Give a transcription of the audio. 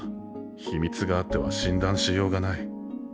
秘密があっては診断しようがない。